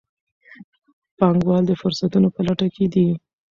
پانګوال د فرصتونو په لټه کې دي.